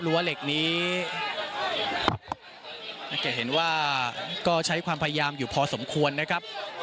เหล็กนี้น่าจะเห็นว่าก็ใช้ความพยายามอยู่พอสมควรนะครับ